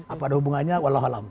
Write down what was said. apakah ada hubungannya walau halam